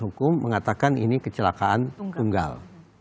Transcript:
hukum mengatakan ini kecelakaan tunggal